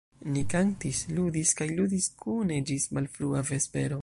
Ni kantis, ludis kaj ludis kune ĝis malfrua vespero.